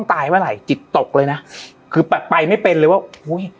ตายเมื่อไหร่จิตตกเลยนะคือแบบไปไม่เป็นเลยว่าอุ้ย